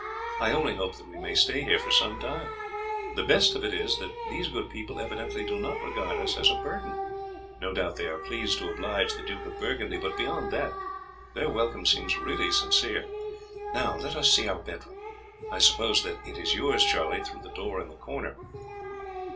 I only hope that we may stay here for some time. The best of it is that these good people evidently do not regard us as a burden. No doubt they are pleased to oblige the Duke of Burgundy, but, beyond that, their welcome seemed really sincere. Now let us see our bedroom. I suppose that is yours, Charlie, through the door in the corner."